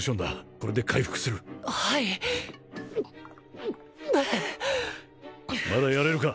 これで回復するはいまだやれるか？